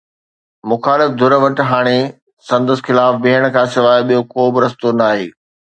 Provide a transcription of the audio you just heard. مخالف ڌر وٽ هاڻي سندس خلاف بيهڻ کان سواءِ ٻيو ڪو به رستو ناهي.